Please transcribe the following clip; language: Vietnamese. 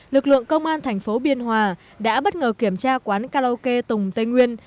lực lượng công an thành phố biên hòa đã bất ngờ kiểm tra quán karaoke tùng tây nguyên